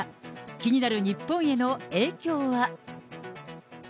気になる日本への影響は。